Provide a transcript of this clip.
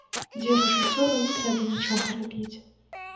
Дзе рэжысёру не трэба нічога рабіць.